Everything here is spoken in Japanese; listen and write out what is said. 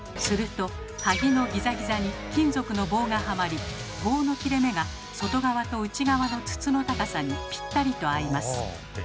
すると鍵のギザギザに金属の棒がはまり棒の切れ目が外側と内側の筒の高さにぴったりと合います。